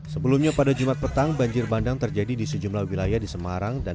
sebelumnya pada jumat petang banjir bandang terjadi di sejumlah wilayah di semarang dan